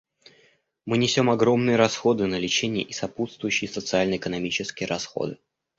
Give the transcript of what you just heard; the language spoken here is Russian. Мы несем огромные расходы на лечение и сопутствующие социально-экономические расходы.